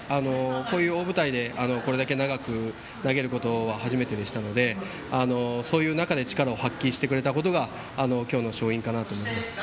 こういう大舞台でこれだけ長く投げることは初めてでしたのでそういう中で力を発揮してくれたことが今日の勝因かなと思います。